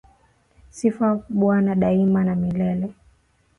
Sifu bwana daima na milele